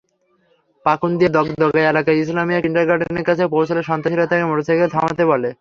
পাকুন্দিয়া দগদগা এলাকার ইসলামিয়া কিন্ডারগার্টেনের কাছে পৌঁছালে সন্ত্রাসীরা তাঁকে মোটরসাইকেল থামাতে বলে।